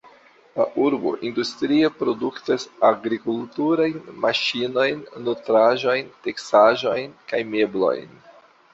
La urbo industrie produktas agrikulturajn maŝinojn, nutraĵojn, teksaĵojn kaj meblojn.